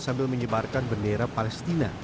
sambil menyebarkan bendera palestina